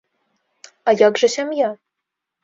А як жа сям'я?